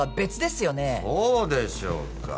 そうでしょうか？